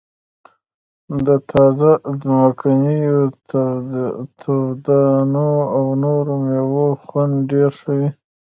د تازه ځمکنیو توتانو او نورو میوو خوند ډیر ښه وي